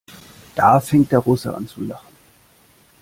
Da fängt der Russe an zu lachen.